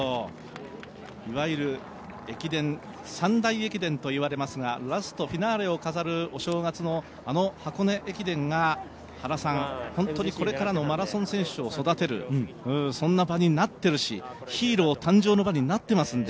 いわゆる三大駅伝と言われますが、ラスト、フィナーレを飾るお正月の箱根駅伝が本当にこれからのマラソン選手を育てる、そんな場になってるしヒーロー誕生の場になってますので。